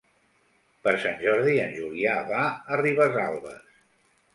Per Sant Jordi en Julià va a Ribesalbes.